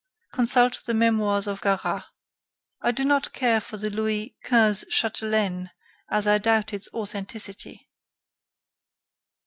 Consult the memoirs of Garat. "I do not care for the Louis XV chatelaine, as I doubt its authenticity."